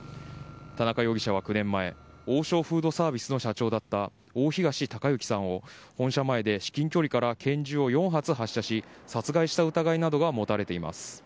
田中容疑者は９年前王将フードサービスの社長だった大東隆行さんを本社前で至近距離から拳銃を４発を発射し殺害した疑いなどが持たれています。